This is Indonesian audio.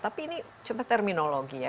tapi ini coba terminologi ya